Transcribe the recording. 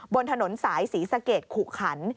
บนถนนสายศรีสะเกดขุขัน